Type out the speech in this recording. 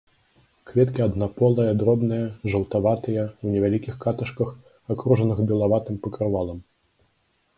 Кветкі аднаполыя, дробныя, жаўтаватыя, у невялікіх каташках, акружаных белаватым пакрывалам.